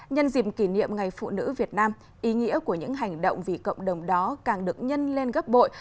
nhân dịp kỷ niệm ngày phụ nữ việt nam ý nghĩa của những hành động vì cộng đồng đó càng được nhân lên gấp bội